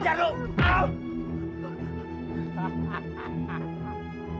jangan pak jangan